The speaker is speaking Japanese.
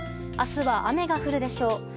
明日は雨が降るでしょう。